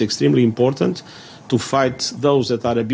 untuk melawan mereka yang menghukum kekuatan mereka